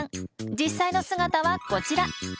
実際の姿はこちら。